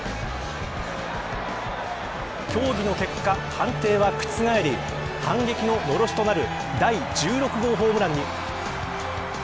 協議の結果、判定は覆り反撃の、のろしとなる第１６号ホームランに。